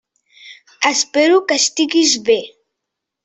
Espero que estiguis bé.